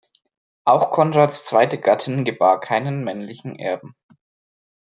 Auch Konrads zweite Gattin gebar keinen männlichen Erben.